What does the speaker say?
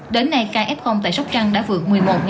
đến nay ca f tại sóc trăng đã vượt một mươi một